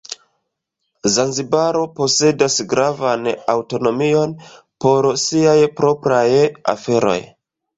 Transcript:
Zanzibaro posedas gravan aŭtonomion por siaj propraj aferoj.